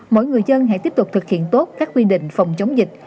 mỗi người dân hãy tiếp tục thực hiện tốt các quy định phòng chống dịch